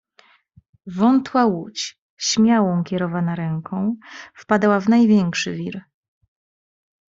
"Wątła łódź, śmiałą kierowana ręką, wpadała w największy wir."